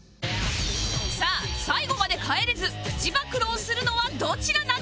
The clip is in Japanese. さあ最後まで帰れずプチ暴露をするのはどちらなのか？